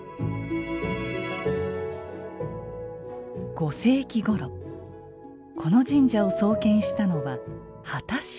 ５世紀ごろこの神社を創建したのは秦氏。